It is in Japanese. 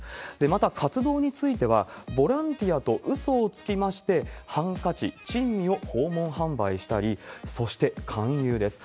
また、活動については、ボランティアとうそをつきまして、ハンカチ、珍味を訪問販売したり、そして勧誘です。